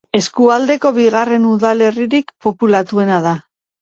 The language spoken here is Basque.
Eskualdeko bigarren udalerririk populatuena da.